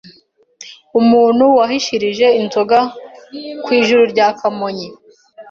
Umuntu wahishirije inzoga ku Ijuru rya Kamonyi